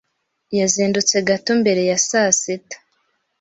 yazindutse gato mbere ya saa sita.